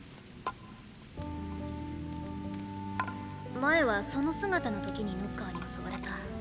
前はその姿の時にノッカーに襲われた。